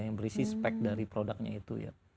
yang berisi spek dari produknya itu ya